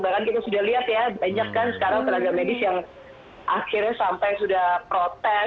bahkan kita sudah lihat ya banyak kan sekarang tenaga medis yang akhirnya sampai sudah protes